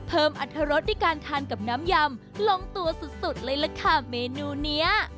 เพิ่มอัตรรสที่การทานกับน้ำยำลงตัวสุดเลยละค่ะเมนูเนี้ย